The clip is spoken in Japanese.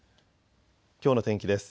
きょうの天気です。